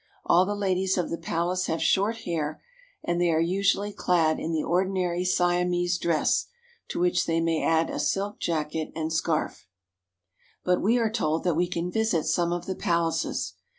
All the ladies of the palace have short hair, and they are usually clad in the ordinary Siamese dress, to which they may add a silk jacket and scarf. But we are told we can visit some of the palaces.